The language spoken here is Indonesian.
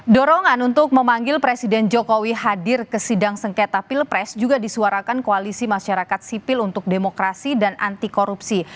dorongan untuk memanggil presiden jokowi hadir ke sidang sengketa pilpres juga disuarakan koalisi masyarakat sipil untuk demokrasi dan anti korupsi